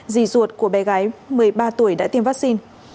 rì ruột của bé gái một mươi ba tuổi đã tiêm vaccine